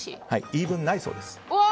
言い分、ないそうです。